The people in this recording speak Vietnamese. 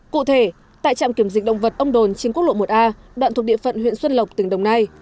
cụ thể tại trạm kiểm dịch động vật ông đồn trên quốc lộ một a đoạn thuộc địa phận huyện xuân lộc tỉnh đồng nai